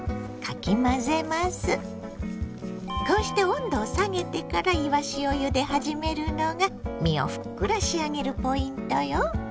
こうして温度を下げてからいわしをゆで始めるのが身をふっくら仕上げるポイントよ。